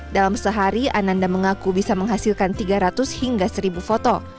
dalam sehari ananda mengaku bisa menghasilkan tiga ratus hingga seribu foto